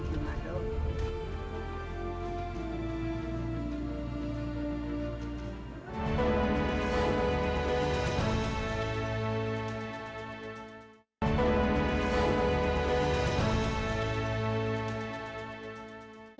ini rumah sakit